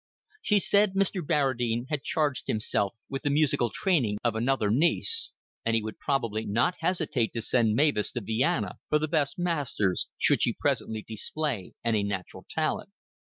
She said Mr. Barradine had charged himself with the musical training of another niece, and he would probably not hesitate to send Mavis to Vienna for the best masters, should she presently display any natural talent.